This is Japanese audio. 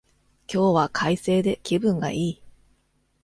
今日は快晴で気分がいい